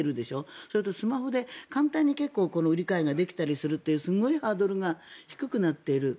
それでスマホで簡単に売り買いができたりというすごいハードルが低くなっている。